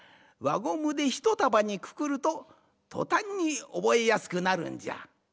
ゴムでひとたばにくくるととたんにおぼえやすくなるんじゃ。